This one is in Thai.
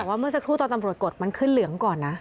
แต่ว่าเมื่อสักครู่ตอนตำรวจกดมันขึ้นเหลืองก่อนนะ